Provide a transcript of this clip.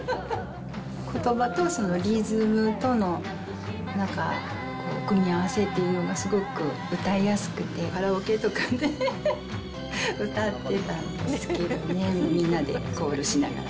ことばとそのリズムとの、なんか組み合わせっていうのがすごく歌いやすくて、カラオケとかで歌ってたんですけどね、みんなでコールしながら。